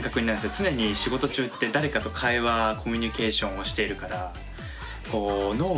常に仕事中って誰かと会話コミュニケーションをしているからうんうん。